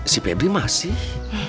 si pebri masih